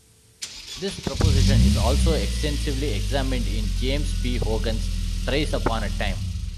This proposition is also extensively examined in James P. Hogan's "Thrice Upon a Time".